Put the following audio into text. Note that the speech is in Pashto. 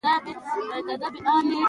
ننګرهار د افغانستان د بڼوالۍ برخه ده.